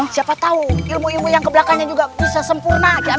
siapa tahu ilmu ilmu yang kebelakangnya juga bisa sempurna